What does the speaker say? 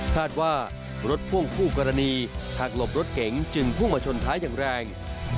คาดว่ารถพ่วงคู่กรณีหักหลบรถเก๋งจึงพุ่งมาชนท้ายอย่างแรง